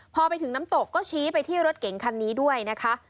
พอไปถึงน้ำตกก็ชี้ไปที่รถเก๋งคันนี้ด้วยนะคะ